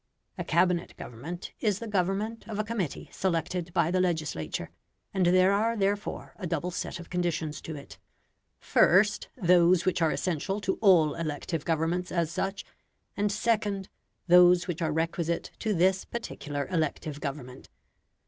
A Cabinet government is the government of a committee selected by the legislature, and there are therefore a double set of conditions to it: first, those which are essential to all elective governments as such; and second, those which are requisite to this particular elective government.